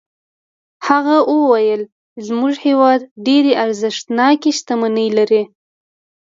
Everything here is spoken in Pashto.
هغه وویل زموږ هېواد ډېرې ارزښتناکې شتمنۍ لري.